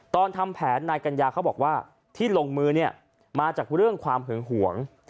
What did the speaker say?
ทำแผนนายกัญญาเขาบอกว่าที่ลงมือเนี่ยมาจากเรื่องความหึงหวง